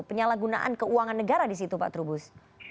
penyalahgunaan keuangan negara di situ pak atul gus